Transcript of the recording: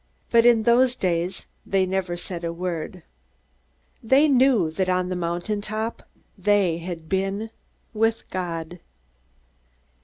But in those days they never said a word. They knew that on the mountaintop they had been with God.